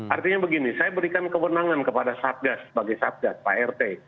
artinya begini saya berikan kewenangan kepada satgas sebagai satgas pak rt